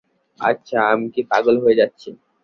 আচ্ছা, আমি কি পাগল হয়ে যাচ্ছি?